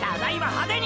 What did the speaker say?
派手に！！